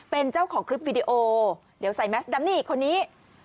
เป็นเจ้าของคลิปวิดีโอเดี๋ยวใส่แมสดำนี่คนนี้